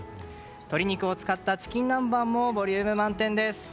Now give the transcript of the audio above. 鶏肉を使ったチキン南蛮がボリューム満点です。